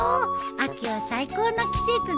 秋は最高の季節だね。